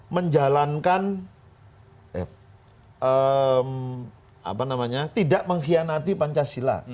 menjalankan apa namanya tidak mengkhianati pancasila